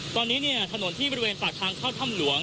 ตอนนี้ถนนที่บริเวณปากทางเข้าถ้ำหลวง